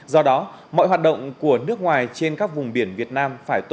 do đó mọi hoạt động của nước ngoài trên các vùng biển việt nam phải tuân dụng